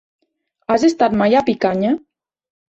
Has estat mai a Picanya?